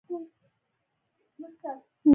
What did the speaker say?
دا اولسي پوهه زېږوي.